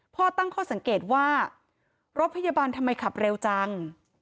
ตั้งข้อสังเกตว่ารถพยาบาลทำไมขับเร็วจัง